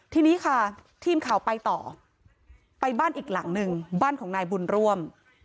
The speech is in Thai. ทีนี้ค่ะทีมข่าวไปต่อไปบ้านอีกหลังหนึ่งบ้านของนายบุญร่วม